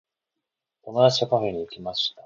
友達とカフェに行きました。